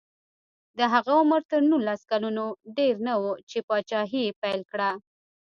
د هغه عمر تر نولس کلونو ډېر نه و چې پاچاهي یې پیل کړه.